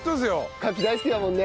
カキ大好きだもんね。